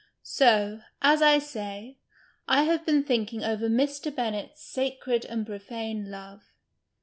So, as I say, I have been thinking over Mr. Bennett's Sacred and Profane Love.